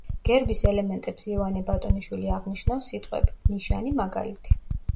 გერბის ელემენტებს იოანე ბატონიშვილი აღნიშნავს სიტყვებით: „ნიშანი“, „მაგალითი“.